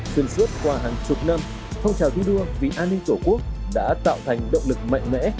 xuyên suốt qua hàng chục năm phong trào thi đua vì an ninh tổ quốc đã tạo thành động lực mạnh mẽ